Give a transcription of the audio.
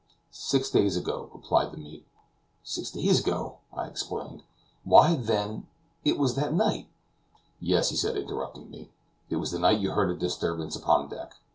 "Six days ago," replied the mate. "Six days ago!" I exclaimed; "why, then, it was that night." "Yes," he said, interrupting me; "it was the night you heard the disturbance upon deck.